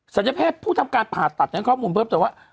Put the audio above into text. สัญญาแพทย์ผู้ทำการผ่าตัดข้อมูลเพิ่มแต่ว่า